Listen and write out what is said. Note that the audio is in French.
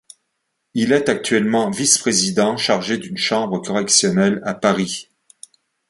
Il est actuellement vice-président chargé d'une chambre correctionnelle à Paris.